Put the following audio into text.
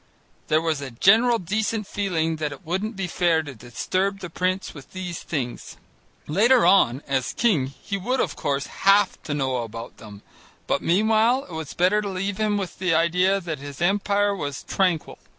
There was a general decent feeling that it wouldn't be fair to disturb the prince with these things: later on, as king, he would, of course, have to know all about them, but meanwhile it was better to leave him with the idea that his empire was tranquil.